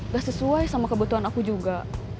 gak sesuai sama kebutuhan aku juga